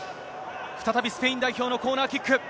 再びスペイン代表のコーナーキック。